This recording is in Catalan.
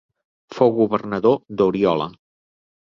Fou governador d'Oriola.